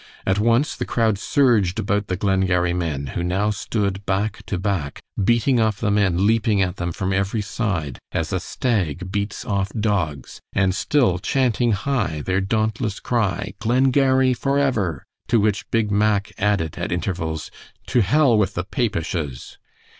At once the crowd surged about the Glengarry men, who now stood back to back, beating off the men leaping at them from every side, as a stag beats off dogs, and still chanting high their dauntless cry, "Glengarry forever," to which Big Mack added at intervals, "To hell with the Papishes!"